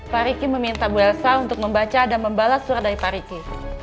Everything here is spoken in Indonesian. pak riki meminta bu elsa untuk membaca dan membalas surat dari pak riki